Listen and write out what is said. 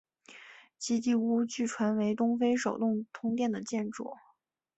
奇迹屋据传为东非首幢通电的建筑。